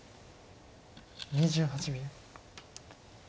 ２８秒。